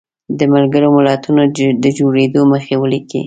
د ملګرو ملتونو د جوړېدو موخې ولیکئ.